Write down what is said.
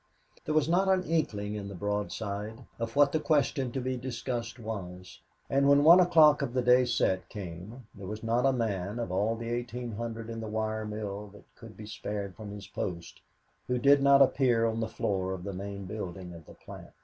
There was not an inkling in the broadside of what the question to be discussed was; and when one o'clock of the day set came there was not a man of all the 1800 in the wire mill that could be spared from his post, who did not appear on the floor of the main building of the plant.